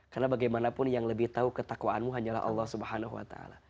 karena bagaimanapun yang lebih tahu ketakwaanmu hanyalah allah swt